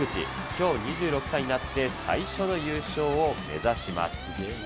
きょう２６歳になって、最初の優勝を目指します。